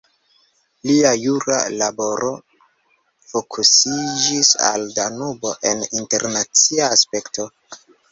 Lia jura laboro fokusiĝis al Danubo en internacia aspekto.